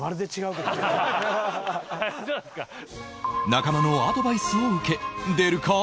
仲間のアドバイスを受け出るか？